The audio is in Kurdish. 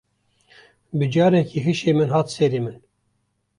Bi carekê hişê min hate serê min.